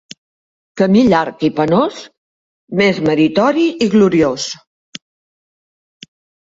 Camí llarg i penós, més meritori i gloriós.